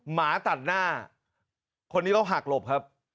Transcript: หมาตัดหน้าคนนี้เขาหักหลบครับ